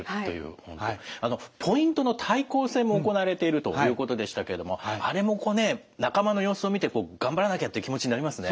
ポイントの対抗戦も行われているということでしたけどもあれもこうね仲間の様子を見て頑張らなきゃという気持ちになりますね。